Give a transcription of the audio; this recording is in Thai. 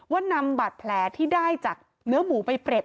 นำบาดแผลที่ได้จากเนื้อหมูไปเปรียบ